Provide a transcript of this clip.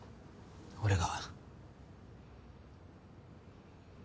俺が。